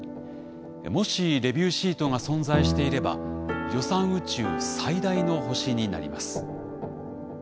もしレビューシートが存在していれば予算宇宙最大の星になります。